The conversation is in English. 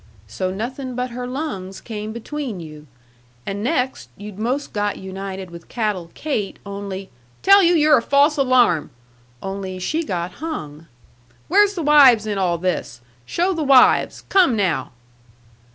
" so nothing but her lungs came between you. And next you'd most got united with Cattle Kate, only " "Tell you you're a false alarm!" " only she got hung." "Where's the wives in all this? Show the wives! Come now!"